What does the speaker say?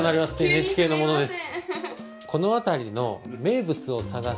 ＮＨＫの者です。